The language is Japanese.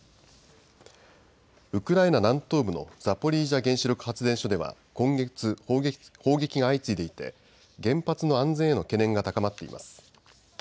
ウクライナ南東部のザポリージャ原子力発電所では今月、砲撃が相次いでいて原発の安全への懸念が高まっています。